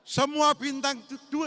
semua bintang dua